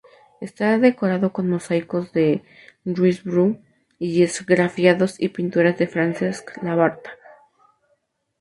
Está decorado con mosaicos de Lluís Bru y esgrafiados y pinturas de Francesc Labarta.